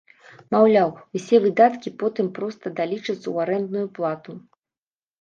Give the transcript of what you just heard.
Маўляў, усе выдаткі потым проста далічацца ў арэндную плату.